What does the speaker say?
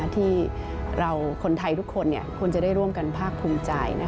ที่เราคนไทยทุกคนควรจะได้ร่วมกันภาคภูมิใจ